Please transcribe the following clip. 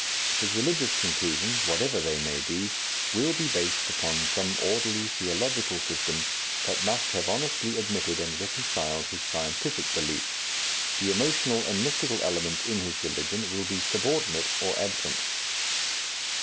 His religious conclusions, whatever they may be, will be based upon some orderly theological system that must have honestly admitted and reconciled his scientific beliefs; the emotional and mystical elements in his religion will be subordinate or absent.